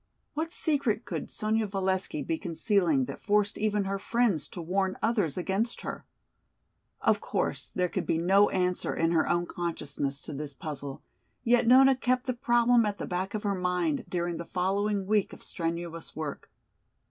What secret could Sonya Valesky be concealing that forced even her friends to warn others against her? Of course there could be no answer in her own consciousness to this puzzle, yet Nona kept the problem at the back of her mind during the following week of strenuous work.